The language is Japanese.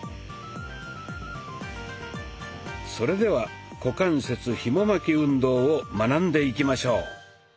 それでは「股関節ひも巻き運動」を学んでいきましょう。